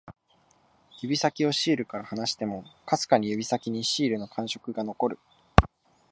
指先をシールから離しても、かすかに指先にシールの感触が残る